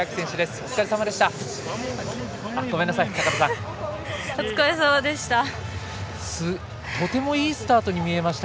お疲れさまでした。